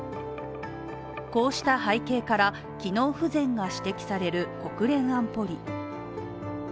こうした背景から、機能不全が指摘される国連安保理。